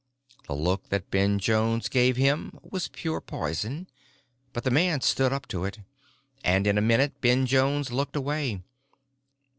The look that Ben Jones gave him was pure poison, but the man stood up to it, and in a minute Ben Jones looked away.